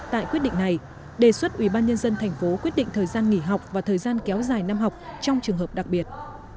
tại quyết định này đề xuất ubnd tp quyết định thời gian nghỉ học và thời gian kéo dài năm học trong trường hợp đặc biệt